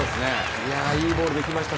いいボールで来ました。